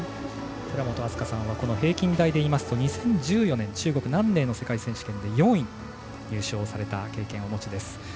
寺本明日香さんは平均台でいいますと２０１５年中国の世界選手権で４位に入賞された経験をお持ちです。